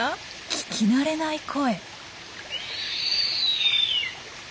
聞き慣れない声。